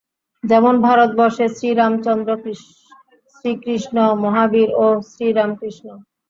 যেমন ভারতবর্ষে শ্রীরামচন্দ্র, শ্রীকৃষ্ণ, মহাবীর ও শ্রীরামকৃষ্ণ।